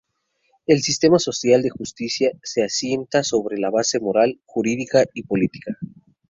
El sistema social de justicia se asienta sobre una base moral, jurídica y política.